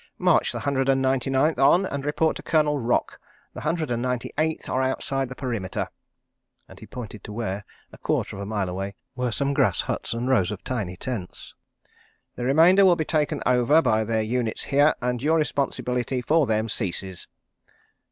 "March the Hundred and Ninety Ninth on and report to Colonel Rock. The Hundred and Ninety Eighth are outside the perimeter," and he pointed to where, a quarter of a mile away, were some grass huts and rows of tiny tents. "The remainder will be taken over by their units here, and your responsibility for them ceases."